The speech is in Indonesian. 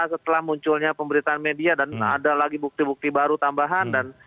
setelah munculnya pemberitaan media dan ada lagi bukti bukti baru tambahan